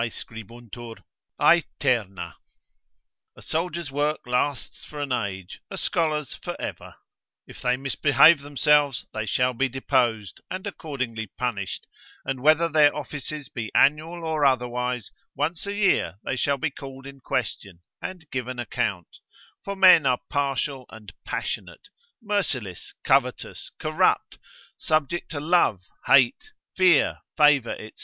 scribuntur, aeterna: a soldier's work lasts for an age, a scholar's for ever. If they misbehave themselves, they shall be deposed, and accordingly punished, and whether their offices be annual or otherwise, once a year they shall be called in question, and give an account; for men are partial and passionate, merciless, covetous, corrupt, subject to love, hate, fear, favour, &c.